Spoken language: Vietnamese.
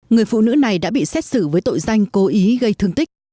người phụ nữ này đã bị xét xử với tội danh cố ý gây thương tích